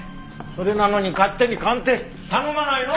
それなのに勝手に鑑定頼まないの！